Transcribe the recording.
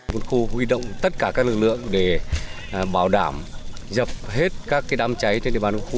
quân khu huy động tất cả các lực lượng để bảo đảm dập hết các đám cháy trên địa bàn quân khu